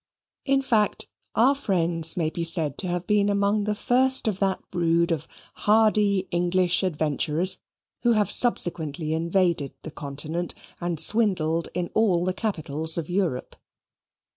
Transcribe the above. In fact, our friends may be said to have been among the first of that brood of hardy English adventurers who have subsequently invaded the Continent and swindled in all the capitals of Europe.